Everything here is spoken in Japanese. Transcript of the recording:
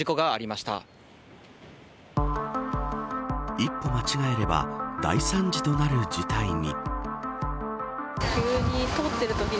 一歩間違えれば大惨事となる事態に。